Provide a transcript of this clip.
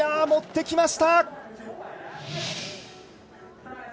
持ってきました！